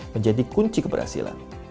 menjadi kunci keberhasilan